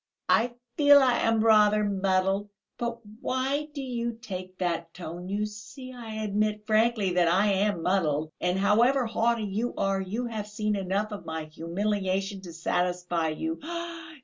"I feel I am rather muddled.... But why do you take that tone? You see, I admit frankly that I am muddled, and however haughty you are, you have seen enough of my humiliation to satisfy you....